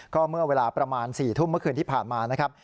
ก็เมื่อเวลาประมาณ๔ทุ่มเมื่อคืนที่ผ่านมานะครับ